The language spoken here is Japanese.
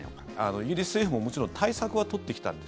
イギリス政府も、もちろん対策は取ってきたんです。